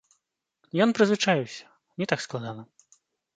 Ён прызвычаіўся, не так складана.